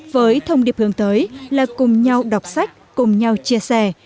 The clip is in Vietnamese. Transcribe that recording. với thông điệp hướng tới là cùng nhau đọc sách cùng nhau chia sẻ